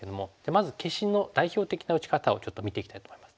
まず消しの代表的な打ち方をちょっと見ていきたいと思います。